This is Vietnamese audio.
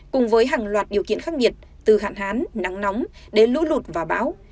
cùng với hàng loạt điều kiện khác biệt từ hạn hán nắng nóng đến lũ lụt và báo